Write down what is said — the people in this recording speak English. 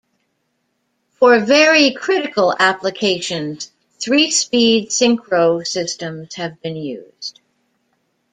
For very critical applications, three-speed synchro systems have been used.